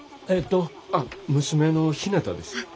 あっ娘のひなたです。